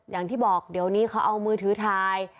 อย่างที่บอกเดี๋ยวนี้เขาเอามือถือถ่าย